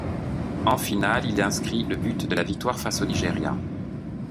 En finale il inscrit le but de la victoire face au Nigeria.